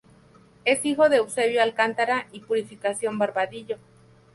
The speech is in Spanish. Es hijo de Eusebio Alcántara y Purificación Barbadillo.